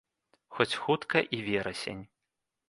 Хоць хутка і верасень.